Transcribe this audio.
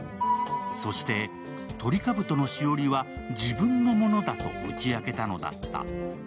そしてトリカブトの栞は自分のものだと打ち明けたのだった。